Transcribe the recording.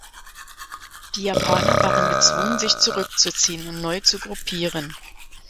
Die Japaner waren gezwungen, sich zurückzuziehen und neu zu gruppieren.